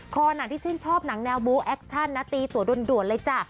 หนังที่ชื่นชอบหนังแนวบูแอคชั่นนะตีตัวด่วนเลยจ้ะ